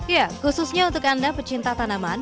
ya khususnya untuk anda pecinta tanaman